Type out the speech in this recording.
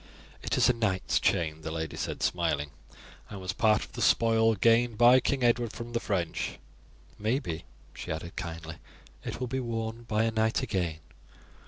"It is a knight's chain," the lady said, smiling, "and was part of the spoil gained by King Edward from the French. Maybe," she added kindly, "it will be worn by a knight again.